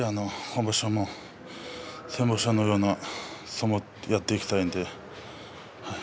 今場所も先場所のような相撲をやっていきたいんで。